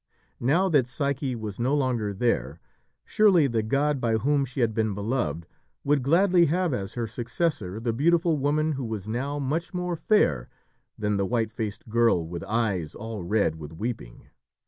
Now that Psyche was no longer there, surely the god by whom she had been beloved would gladly have as her successor the beautiful woman who was now much more fair than the white faced girl with eyes all red with weeping.